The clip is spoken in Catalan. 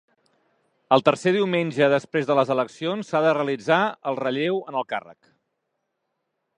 El tercer diumenge després de les eleccions s'ha de realitzar el relleu en el càrrec.